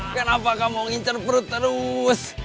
kenapa kamu nginter perut terus